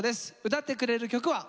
歌ってくれる曲は。